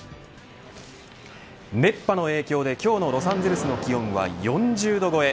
熱波の影響で今日のロサンゼルスの気温は４０度越え。